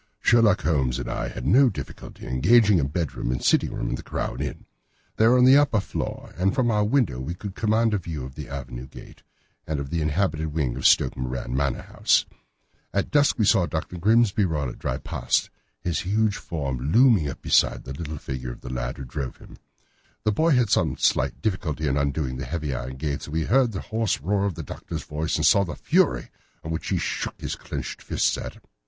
Sherlock Holmes and I had no difficulty in engaging a bedroom and sitting room at the Crown Inn. They were on the upper floor, and from our window we could command a view of the avenue gate, and of the inhabited wing of Stoke Moran Manor House. At dusk we saw Dr. Grimesby Roylott drive past, his huge form looming up beside the little figure of the lad who drove him. The boy had some slight difficulty in undoing the heavy iron gates, and we heard the hoarse roar of the Doctor's voice and saw the fury with which he shook his clinched fists at him.